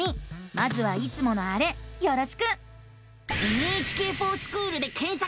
まずはいつものあれよろしく！